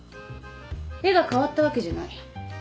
絵が変わったわけじゃない。